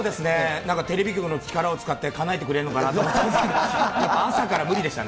なんかテレビ局の力を使って、かなえてくれるのかなと思ったんですけど、朝から無理でしたね。